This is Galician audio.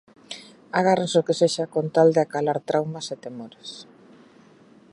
Agárranse ao que sexa con tal de acalar traumas e temores.